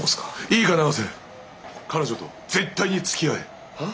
いいか永瀬彼女と絶対につきあえ！は？